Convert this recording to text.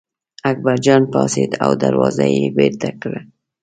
اکبرجان پاڅېد او دروازه یې بېرته کړه.